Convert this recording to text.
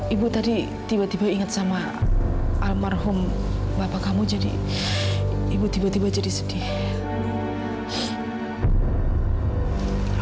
ibu tadi tiba tiba ingat sama almarhum bapak kamu jadi ibu tiba tiba jadi sedih